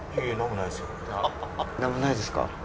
なんもないですか？